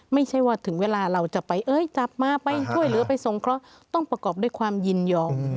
ไม่ใช่ว่าถึงเวลาเราจะไปเอ้ยจับมาไปช่วยเหลือไปทรงเคราะห์ต้องประกอบด้วยความยินยอม